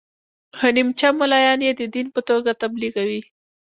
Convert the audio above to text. خو نیمچه ملایان یې د دین په توګه تبلیغوي.